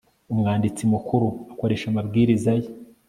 umwanditsi mukuru akoresheje amabwiriza ye